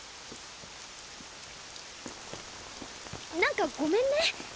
なんかごめんね。